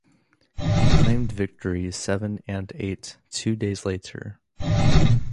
He claimed victories seven and eight two days later.